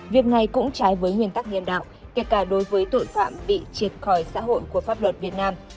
việc này cũng trái với nguyên tắc nhân đạo kể cả đối với tội phạm bị triệt khỏi xã hội của pháp luật việt nam